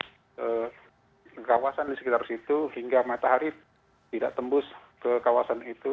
jadi kawasan di sekitar situ hingga matahari tidak tembus ke kawasan itu